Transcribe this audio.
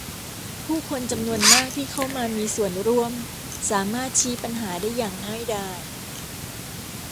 ผู้คนจำนวนมากที่เข้ามามีส่วนร่วมสามารถชี้ปัญหาได้อย่างง่ายดาย